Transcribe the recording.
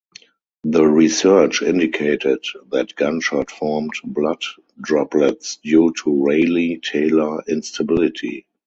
The research indicated that gunshot formed blood droplets due to Rayleigh–Taylor instability.